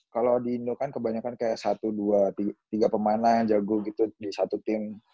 kalo di indo kan kebanyakan kayak satu dua tiga pemain lah yang jago gitu di satu tim